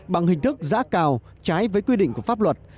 bằng hình thức giã cào trái với quy định của pháp luật